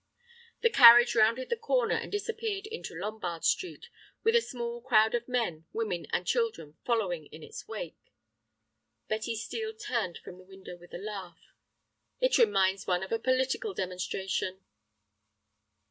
The carriage rounded the corner and disappeared into Lombard Street, with a small crowd of men, women, and children following in its wake. Betty Steel turned from the window with a laugh. "It reminds one of a political demonstration."